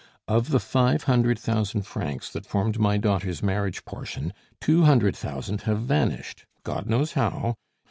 "Of the five hundred thousand francs that formed my daughter's marriage portion, two hundred thousand have vanished God knows how!